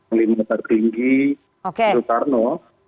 al masjid bung karno